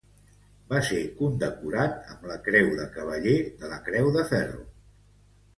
Va ser condecorat amb la Creu de Cavaller de la Creu de Ferro.